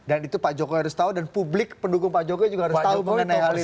dan itu pak jokowi harus tahu dan publik pendukung pak jokowi juga harus tahu mengenai hal itu